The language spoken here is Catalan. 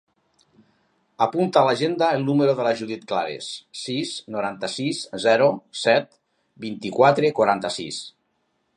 Apunta a l'agenda el número de la Judith Clares: sis, noranta-sis, zero, set, vint-i-quatre, quaranta-sis.